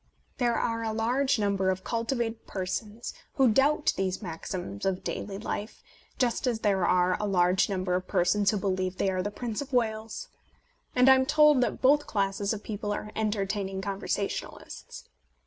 There are a large number of cultivated persons who doubt these maxims of daily life, just as there are a large number of persons who believe they are the Prince of Wales ; and I am told that both classes of people are entertaining conversationalists.